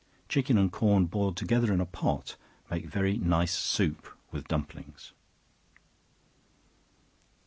Chicken and corn boiled together in a pot, make very nice soup, with dumplings.